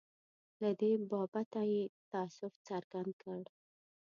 له دې بابته یې تأسف څرګند کړ.